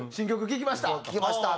「聴きました」って。